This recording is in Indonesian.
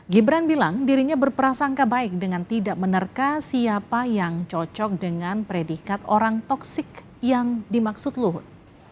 gibran bilang dirinya berprasangka baik dengan tidak menerka siapa yang cocok dengan predikat orang toksik yang dimaksud luhut